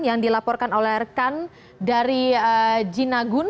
yang dilaporkan oleh rekan dari jinagun